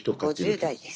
５０代です。